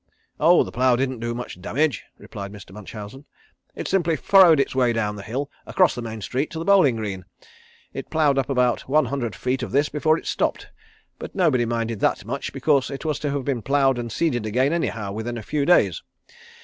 "Oh, the plough didn't do much damage," replied Mr. Munchausen. "It simply furrowed its way down the hill, across the main street, to the bowling green. It ploughed up about one hundred feet of this before it stopped, but nobody minded that much because it was to have been ploughed and seeded again anyhow within a few days.